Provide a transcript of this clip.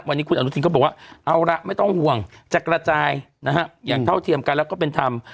วันนี้คุณอนุทินก็บอกว่าเอาละไม่ต้องห่วงจะกระจายนะฮะอย่างเท่าเทียมกันแล้วก็เป็นธรรม